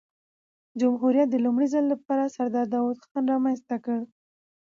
جمهوریت د لومړي ځل له پاره سردار داود خان رامنځ ته کړ.